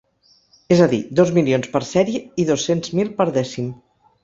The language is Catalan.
És a dir dos milions per sèrie i dos-cents mil per dècim.